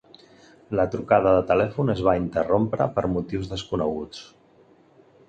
La trucada de telèfon es va interrompre per motius desconeguts.